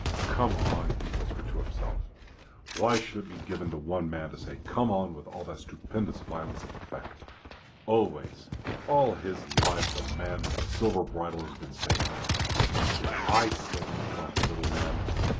"Come on!" he whispered to himself. "Why should it be given to one man to say 'Come on!' with that stupendous violence of effect. Always, all his life, the man with the silver bridle has been saying that. If I said it !" thought the little man.